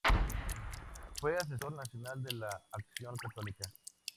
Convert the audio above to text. Fue asesor nacional de la Acción Católica.